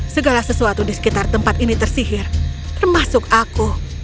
segala sesuatu di sekitar tempat ini tersihir termasuk aku